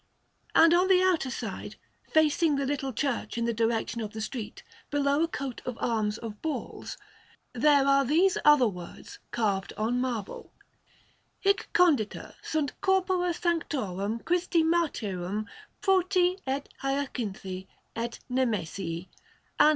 And on the outer side, facing the little church in the direction of the street, below a coat of arms of balls, there are these other words carved on marble: HIC CONDITA SUNT CORPORA SANCTORUM CHRISTI MARTYRUM PROTI ET HYACINTHI ET NEMESII, ANN.